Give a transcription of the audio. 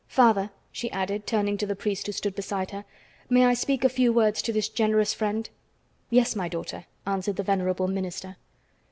Father," she added, turning to the priest who stood beside her, "may I speak a few words to this generous friend?" "Yes, my daughter," answered the venerable minister.